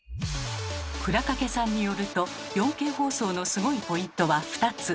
倉掛さんによると４Ｋ放送のスゴいポイントは２つ。